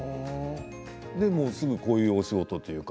すぐにこういうお仕事というか。